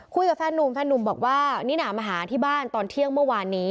แฟนนุ่มแฟนนุ่มบอกว่านิน่ามาหาที่บ้านตอนเที่ยงเมื่อวานนี้